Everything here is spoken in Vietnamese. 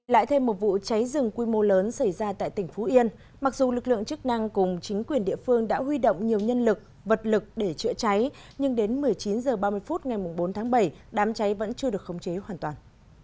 lại thêm một vụ cháy rừng quy mô lớn xảy ra tại tỉnh phú yên mặc dù lực lượng chức năng cùng chính quyền địa phương đã huy động nhiều nhân lực vật lực để chữa cháy nhưng đến một mươi chín h ba mươi phút ngày bốn tháng bảy đám cháy vẫn chưa được khống chế hoàn toàn